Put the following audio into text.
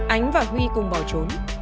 ánh và huy cùng bỏ trốn